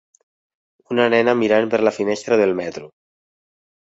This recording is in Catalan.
Una nena mirant per la finestra del metro.